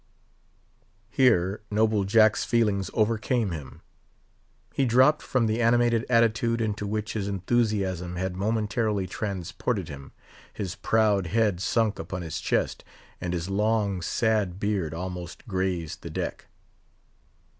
Here noble Jack's feelings overcame him: he dropped from the animated attitude into which his enthusiasm had momentarily transported him; his proud head sunk upon his chest, and his long, sad beard almost grazed the deck.